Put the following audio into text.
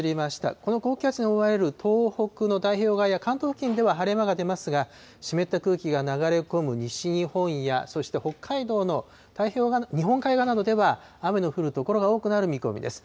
この高気圧に覆われる東北の太平洋側や関東付近では、晴れ間が出ますが、湿った空気が流れ込む西日本や、そして北海道の日本海側などでは、雨の降る所が多くなる見込みです。